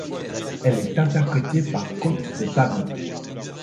Elle est interprétée par Cote de Pablo.